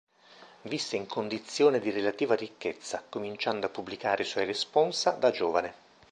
Visse in condizione di relativa ricchezza, cominciando a pubblicare i suoi responsa da giovane.